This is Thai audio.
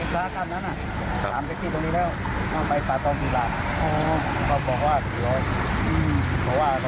แล้วก็เข้าไปสัญญาณเขาก็มาส่องมือค้าครับ